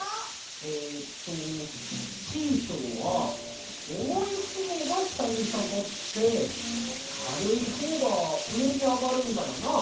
えっとシーソーはおもいほうがしたにさがってかるいほうがうえにあがるんだよな？